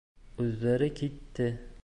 Үҙҙәре китте.